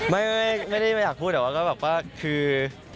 ไม่ได้อยากพูดแต่ว่าก็แบบว่าคือ